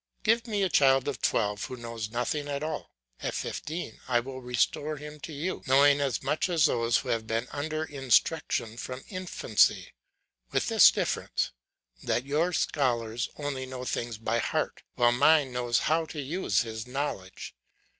Give me a child of twelve who knows nothing at all; at fifteen I will restore him to you knowing as much as those who have been under instruction from infancy; with this difference, that your scholars only know things by heart, while mine knows how to use his knowledge.